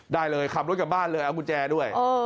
ได้เลยขับรถกลับบ้านเลยเอากุญแจด้วย